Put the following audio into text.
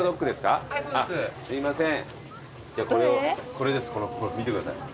これです見てください。